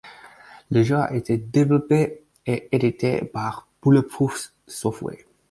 Le jeu a été développé et édité par Bullet-Proof Software.